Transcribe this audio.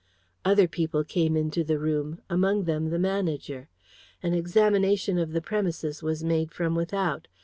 Other people came into the room, among them the manager. An examination of the premises was made from without.